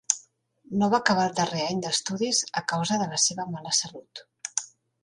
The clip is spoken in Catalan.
No va acabar el darrer any d'estudis a causa de la seva mala salut.